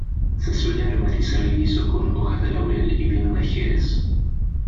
Se suele aromatizar el guiso con hojas de laurel y vino de Jerez.